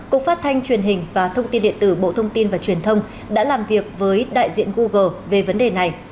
cục phát thanh truyền hình và thông tin điện tử bộ thông tin và truyền thông đã làm việc với đại diện google về vấn đề này